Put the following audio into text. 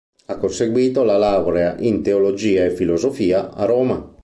Ha conseguito la laurea in teologia e filosofia a Roma.